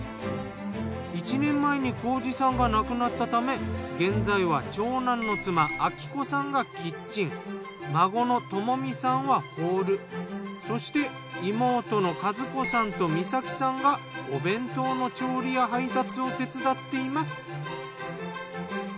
１年前に浩司さんが亡くなったため現在は長男の妻昭子さんがキッチン孫の朋美さんはホールそして妹の和子さんと美咲さんがお弁当の調理や配達を手伝っています。